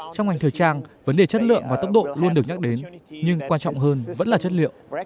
trong ngành thời trang vấn đề chất lượng và tốc độ luôn được nhắc đến nhưng quan trọng hơn vẫn là chất liệu